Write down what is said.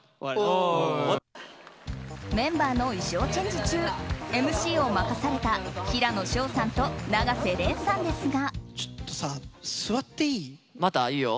メンバーの衣装チェンジ中ＭＣを任された平野紫耀さんと永瀬廉さんですが。